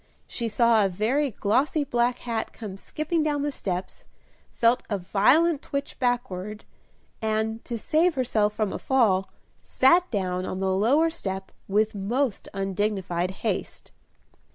she saw a very glossy black hat come skipping down the steps, felt a violent twitch backward, and, to save herself from a fall, sat down on the lower step with most undignified haste.